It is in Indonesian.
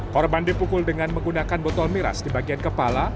korban dipukul dengan menggunakan botol miras di bagian kepala